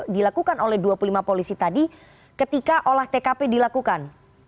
dilakukan oleh dua puluh lima polisi tadi ketika olah tkp dilakukan